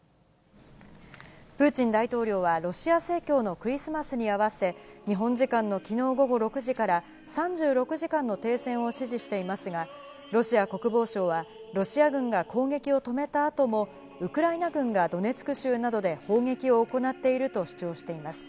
プーチン大統領はロシア正教のクリスマスに合わせ、日本時間のきのう午後６時から、３６時間の停戦を指示していますが、ロシア国防省は、ロシア軍が攻撃を止めたあとも、ウクライナ軍がドネツク州などで砲撃を行っていると主張しています。